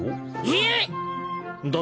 えっ！？